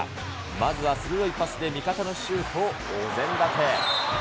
まずは鋭いパスで味方のシュートをお膳立て。